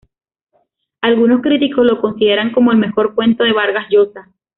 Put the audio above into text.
Algunos críticos lo consideran como el mejor cuento de Vargas Llosa.